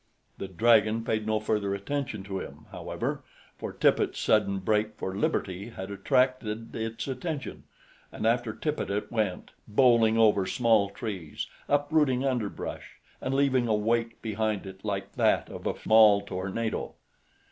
The dragon paid no further attention to him, however, for Tippet's sudden break for liberty had attracted its attention; and after Tippet it went, bowling over small trees, uprooting underbrush and leaving a wake behind it like that of a small tornado.